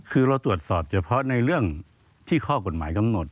คือเราตรวจสอบเฉพาะในเรื่องที่ข้อกฎหมายกำหนด